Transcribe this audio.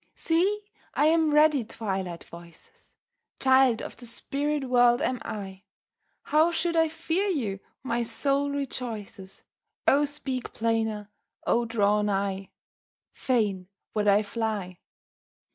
See, I am ready, Twilight voices! Child of the spirit world am I; How should I fear you? my soul rejoices, O speak plainer! O draw nigh! Fain would I fly!